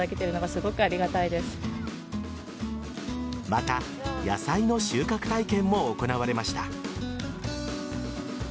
また野菜の収穫体験も行われました。